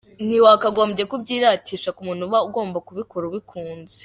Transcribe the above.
Ntiwakagombye kubyiratisha ku muntu uba ugomba kubikora ubikunze.